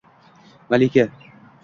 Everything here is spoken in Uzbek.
malika.